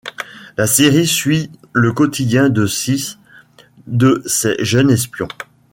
La série suit le quotidien de six de ces jeunes espions.